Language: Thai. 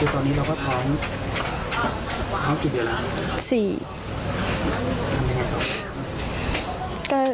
ตอนนี้เราก็ท้องเอาเกี่ยวกันแล้วสี่